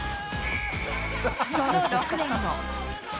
その６年後。